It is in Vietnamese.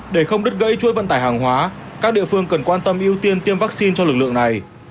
để không đứt gãy chuỗi vận tải hàng hóa các địa phương cần quan tâm ưu tiên tiêm vaccine cho lực lượng này